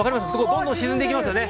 どんどん沈んでいきますよね。